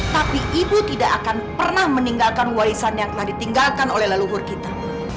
tapi ibu tidak akan pernah meninggalkan waisan yang telah ditinggalkan oleh leluhur kita